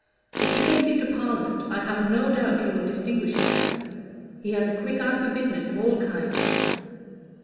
"If he gets into Parliament, I have no doubt he will distinguish himself. He has a quick eye for business of all kinds."